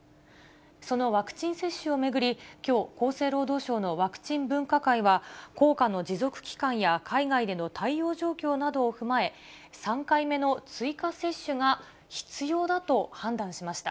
そのワクチン接種を巡り、きょう、厚生労働省のワクチン分科会は、効果の持続期間や海外での対応状況などを踏まえ、３回目の追加接種が必要だと判断しました。